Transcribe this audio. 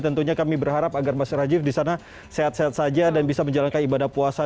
tentunya kami berharap agar mas rajiv di sana sehat sehat saja dan bisa menjalankan ibadah puasa